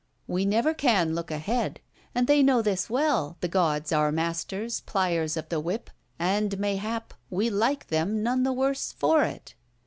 We never can look ahead. And they know this well, the gods our masters, pliers of the whip. And mayhap we like them none the worse for it.